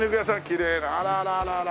きれいなあらららら。